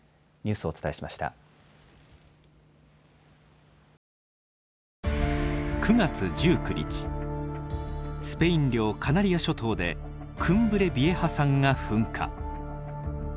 スペイン領カナリア諸島でクンブレビエハ山が噴火。